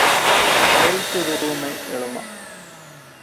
ހެލްތުރޫމެއް އެޅުމަށް